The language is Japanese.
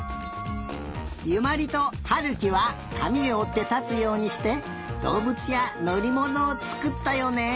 由茉莉と悠貴はかみをおってたつようにしてどうぶつやのりものをつくったよね。